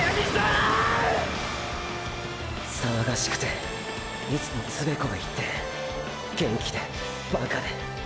騒がしくていつもつべこべ言って元気でバカで。